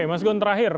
oke mas gun terakhir